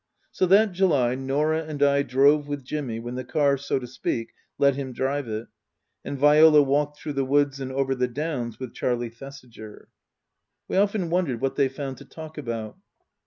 So, that July, Norah and I drove with Jimmy when the car, so to speak, let him drive it ; and Viola walked through the woods and over the downs with Charlie Thesiger. We often wondered what they found to talk about.